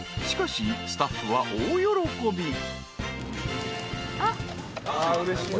［しかしスタッフは大喜び］